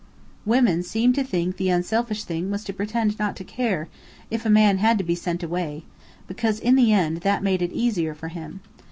Women seemed to think the unselfish thing was to pretend not to care, if a man had to be sent away; because in the end that made it easier for him.